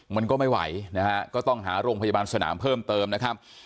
มันก็ไม่ไหวนะฮะก็ต้องหาโรงพยาบาลสนามเพิ่มเติมนะครับ